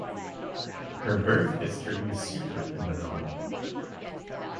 Her birth history was secret in the novel.